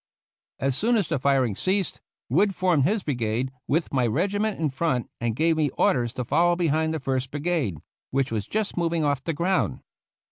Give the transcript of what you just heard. As soon as the firing ceased. Wood formed his brigade, with my regiment in front, and gave me orders to follow behind the First Brigade, which was just moving off the ground.